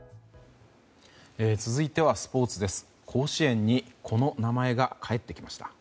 続いては、スポーツです。